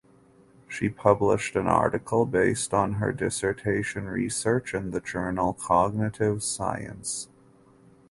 She published an article based on her dissertation research in the journal "Cognitive Science".